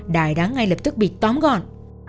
đài đáng ngay lập tức bị tóm gọn